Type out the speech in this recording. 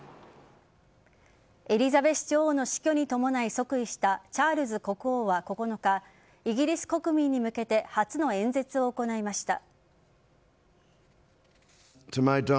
エリザベス女王の死去に伴い即位したチャールズ国王は９日イギリス国民に向けて初の演説を行いました。